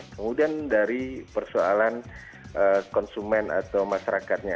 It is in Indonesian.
kemudian dari persoalan konsumen atau masyarakatnya